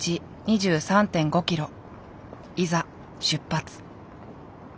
いざ出発。